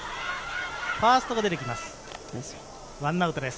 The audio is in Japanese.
ファーストが出てきます。